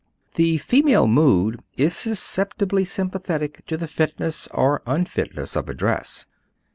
The female mood is susceptibly sympathetic to the fitness or unfitness of dress.